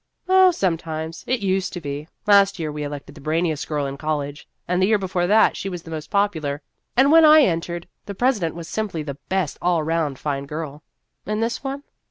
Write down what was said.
" Oh, sometimes. It used to be. Last year we elected the brainiest girl in col lege; and the year before she was the most popular ; and when I entered, the president was simply the best all round fine girl." "And this one?"